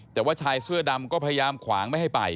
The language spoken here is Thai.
แต่ว่าชายเสื้อดำก็พยายามขวางไม่ให้ไป